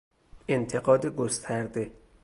انتقاد گسترده